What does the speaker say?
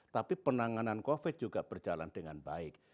tapi penanganan covid sembilan belas juga berjalan dengan baik